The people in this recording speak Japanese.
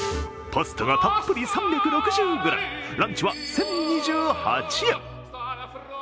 パスタがたっぷり３６０ｇ、ランチは１０２８円。